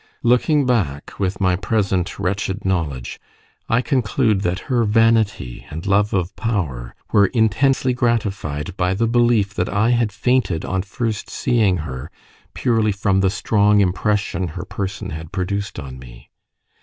Looking back with my present wretched knowledge, I conclude that her vanity and love of power were intensely gratified by the belief that I had fainted on first seeing her purely from the strong impression her person had produced on me.